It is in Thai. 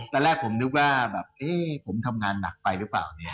แต่แรกผมนึกว่าผมทำงานหนักไปหรือเปล่า